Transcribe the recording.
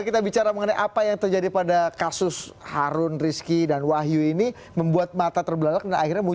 kami akan segera kembali